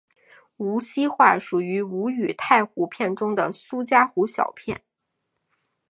无锡话属于吴语太湖片中的苏嘉湖小片。